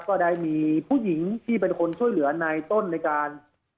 ก็ได้มีผู้หญิงที่เป็นคนช่วยเหลือในต้นในการ